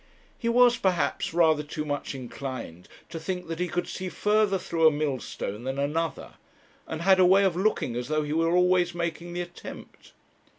He was, perhaps, rather too much inclined to think that he could see further through a millstone than another, and had a way of looking as though he were always making the attempt.